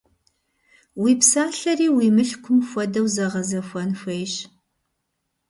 Уи псалъэри уи мылъкум хуэдэу зэгъэзэхуэн хуейщ.